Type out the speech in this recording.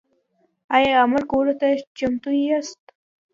ایا عمل کولو ته چمتو یاست؟